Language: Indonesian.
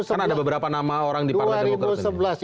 kan ada beberapa nama orang di partai demokrat